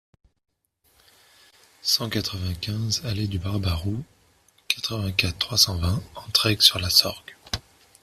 cent quatre-vingt-quinze allée du Barbaroux, quatre-vingt-quatre, trois cent vingt, Entraigues-sur-la-Sorgue